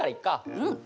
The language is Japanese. うん。